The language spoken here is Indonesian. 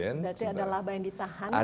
berarti ada laba yang ditahan